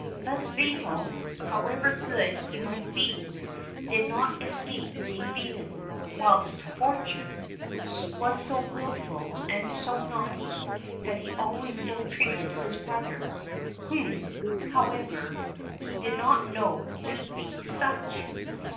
Thus Fatal, however good he might be, did not escape being beaten; whilst Fortuné was so wilful and so naughty, that he always ill treated his brother, whom, however, he did not know to be such.